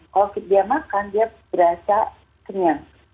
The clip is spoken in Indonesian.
kalau dia makan dia berasa kenyang